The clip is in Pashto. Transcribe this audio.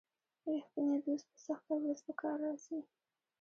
رښتینی دوست په سخته ورځ په کار راځي.